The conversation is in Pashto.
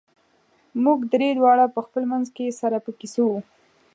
موږ درې واړه په خپل منځ کې سره په کیسو وو.